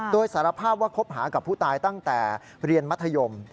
โดยสารภาพว่าคบหากับผู้ตายตั้งแต่เรียนมัธยม